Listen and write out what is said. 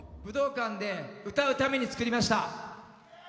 武道館で歌うために作りました。